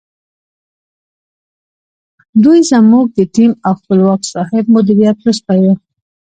دوی زموږ د ټیم او خپلواک صاحب مدیریت وستایه.